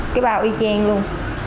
cái bao y chang luôn